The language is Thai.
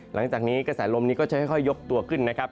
หลังจากนี้กระแสลมนี้ก็จะค่อยยกตัวขึ้นนะครับ